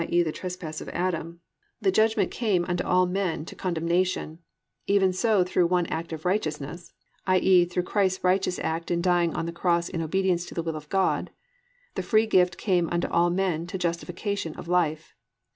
e., the trespass of Adam) +the judgment came unto all men to condemnation; even so through one act of righteousness+ (i.e., through Christ's righteous act in dying on the cross in obedience to the will of God) +the free gift came unto all men to justification of life."